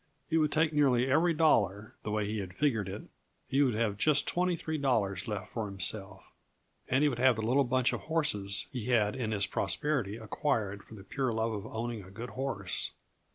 It would take nearly every dollar; the way he had figured it, he would have just twenty three dollars left for himself and he would have the little bunch of horses he had in his prosperity acquired for the pure love of owning a good horse.